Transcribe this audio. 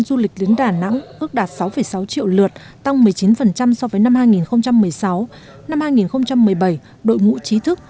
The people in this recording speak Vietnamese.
du lịch đến đà nẵng ước đạt sáu sáu triệu lượt tăng một mươi chín so với năm hai nghìn một mươi sáu năm hai nghìn một mươi bảy đội ngũ trí thức